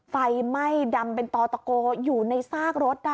ไฟไหม้ดำเป็นตอตะโกอยู่ในซากรถ